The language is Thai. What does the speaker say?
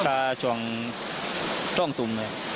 ก็ช่องช่องตุ๋มเลย